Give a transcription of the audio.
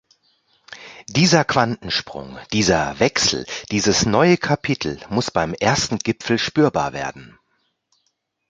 Dieser Quantensprung, dieser Wechsel, dieses neue Kapitel muss beim ersten Gipfel spürbar werden.